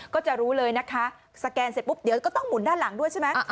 ก็จะรู้เลยนะคะสแกนเสร็จปุ๊บเดี๋ยวก็ต้องหมุนด้านหลังด้วยใช่ไหม